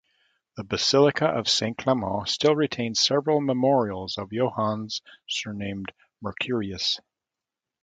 The basilica of Saint Clement still retains several memorials of "Johannes surnamed Mercurius".